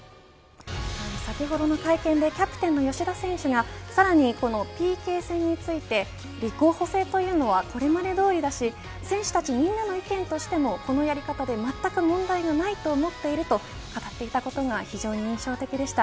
先ほどの会見でキャプテンの吉田選手がさらにこのＰＫ戦について立候補制というのはこれまでどおりだし選手たちみんなの意見としてもこのやり方でまったく問題ないと思っていると語っていたことは非常に印象的でした。